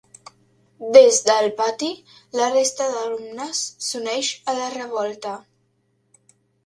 Des del pati, la resta d'alumnes s’uneix a la revolta.